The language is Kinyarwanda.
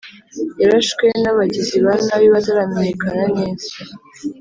yarashwe nabagizi banabi bataramenyekana neza